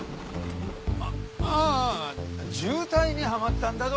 ああ渋滞にはまったんだど。